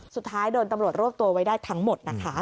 สุดท้ายโดนตำรวจรวบตัวไว้ได้ทั้งหมดนะคะ